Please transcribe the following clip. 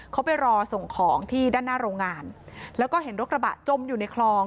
เขาไปรอส่งของที่ด้านหน้าโรงงานแล้วก็เห็นรถกระบะจมอยู่ในคลอง